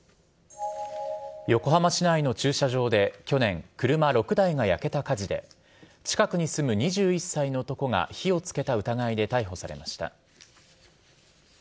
横浜市内の駐車場で去年車６台が焼けた火事で近くに住む２１歳の男が火をつけた疑いで逮捕されました。